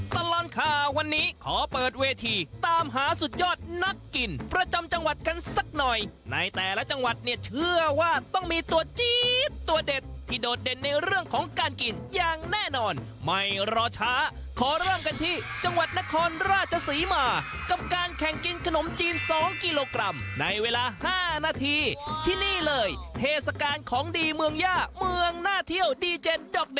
ตลอดข่าววันนี้ขอเปิดเวทีตามหาสุดยอดนักกินประจำจังหวัดกันสักหน่อยในแต่ละจังหวัดเนี่ยเชื่อว่าต้องมีตัวจี๊ดตัวเด็ดที่โดดเด่นในเรื่องของการกินอย่างแน่นอนไม่รอช้าขอเริ่มกันที่จังหวัดนครราชศรีมากับการแข่งกินขนมจีน๒กิโลกรัมในเวลา๕นาทีที่นี่เลยเทศกาลของดีเมืองย่าเมืองน่าเที่ยวดีเจ